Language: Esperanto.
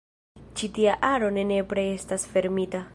Ĉi tia aro ne nepre estas fermita.